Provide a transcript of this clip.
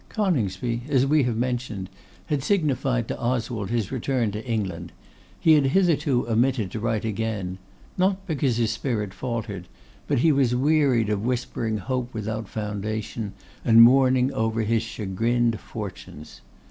Coningsby, as we have mentioned, had signified to Oswald his return to England: he had hitherto omitted to write again; not because his spirit faltered, but he was wearied of whispering hope without foundation, and mourning over his chagrined fortunes.